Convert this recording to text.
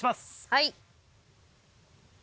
はい。